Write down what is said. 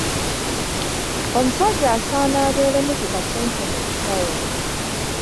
Omusajja asaana abeeremu ku kasente mu nsawo.